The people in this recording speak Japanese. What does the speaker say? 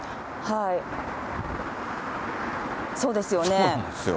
そうですよね。